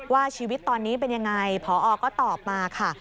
ว่าชีวิตตอนนี้เป็นยังไงพอก็ตอบมาค่ะ